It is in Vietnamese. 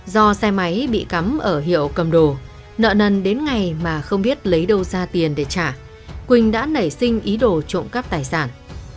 do xe máy bị cắm ở hiệu cầm đồ nợ nần đến ngày mà không biết lấy đâu ra tiền để trả quỳnh đã nảy sinh ý đồ trộm cắp tài sản